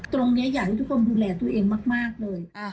อยากให้ทุกคนดูแลตัวเองมากเลย